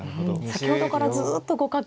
先ほどからずっと互角。